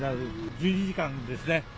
１２時間ですね。